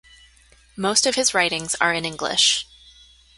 Most of his writings are in English.